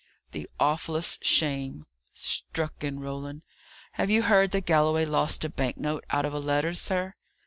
"The awfullest shame!" struck in Roland. "Have you heard that Galloway lost a bank note out of a letter, sir?"